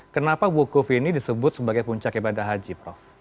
kenapa bukuf ini disebut sebagai puncak kepada haji prof